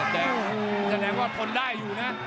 แต่แสดงว่าทนได้อยู่นะ